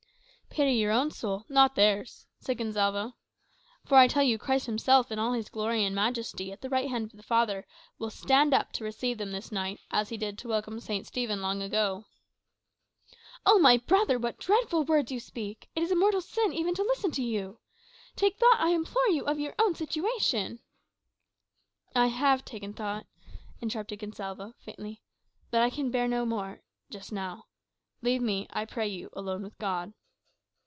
"Pity your own soul, not theirs," said Gonsalvo. "For I tell you Christ himself, in all his glory and majesty, at the right hand of the Father, will stand up to receive them this night, as he did to welcome St. Stephen long ago." "Oh, my poor brother, what dreadful words you speak! It is a mortal sin even to listen to you. Take thought, I implore you, of your own situation." "I have taken thought," interrupted Gonsalvo, faintly. "But I can bear no more just now. Leave me, I pray you, alone with God."